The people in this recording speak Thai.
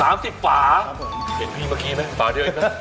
เห็นพี่เมื่อกี้ไหมฝาเดียวอีกแล้ว